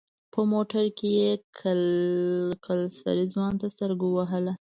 په موټر کې يې کلسري ځوان ته سترګه ووهله.